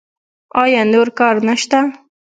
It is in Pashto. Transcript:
ایا نور کار نشته؟